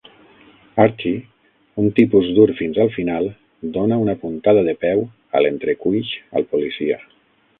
Archie, Un tipus dur fins al final, dona una puntada de peu a l'entrecuix al policia.